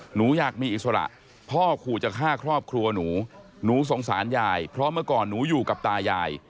หนูอยากมีอิสระพ่อขู่จะฆ่าครอบครัวหนูหนูสงสารยายเพราะเมื่อก่อนหนูอยู่กับตายาย